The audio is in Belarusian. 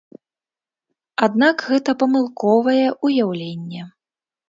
Аднак гэта памылковае ўяўленне.